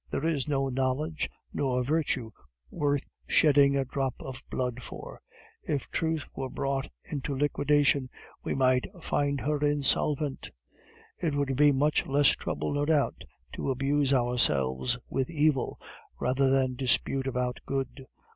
There is no knowledge nor virtue worth shedding a drop of blood for. If Truth were brought into liquidation, we might find her insolvent." "It would be much less trouble, no doubt, to amuse ourselves with evil, rather than dispute about good.